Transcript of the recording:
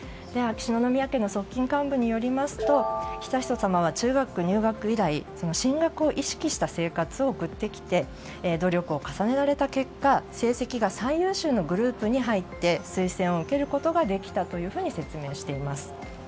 秋篠宮家の側近幹部によりますと悠仁さまは中学入学以来進学を意識した生活を送ってきて努力を重ねられた結果成績が最優秀のグループに入って推薦を受けることができたと説明しています。